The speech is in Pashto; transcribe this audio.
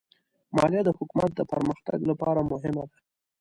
مالیه د حکومت د پرمختګ لپاره مهمه ده.